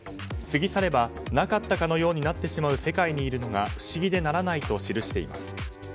過ぎ去ればなかったかのようになってしまう世界にいるのが不思議でならないと記しています。